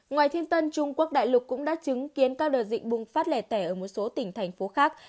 ngoài thiên tân trung quốc đại lục cũng đã chứng kiến các đợt dịch bùng phát lẻ tẻ ở một số tỉnh thành phố khác